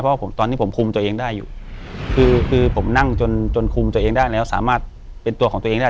เพราะว่าผมตอนนี้ผมคุมตัวเองได้อยู่คือคือผมนั่งจนจนคุมตัวเองได้แล้วสามารถเป็นตัวของตัวเองได้